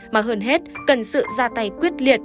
mà hơn hết cần sự ra tay quyết liệt